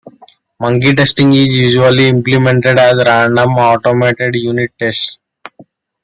Monkey testing is usually implemented as random, automated unit tests.